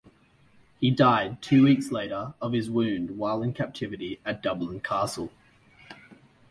He died two weeks later of his wounds while in captivity at Dublin Castle.